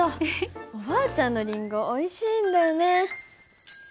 おばあちゃんのりんごおいしいんだよね。